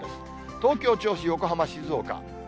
東京、銚子、横浜、静岡。